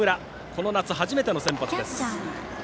この夏初めての先発です。